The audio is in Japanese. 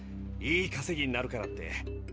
いいかせぎになるからって。